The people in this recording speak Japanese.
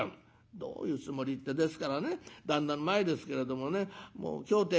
「どういうつもりってですからね旦那の前ですけれどもねもう今日ってえ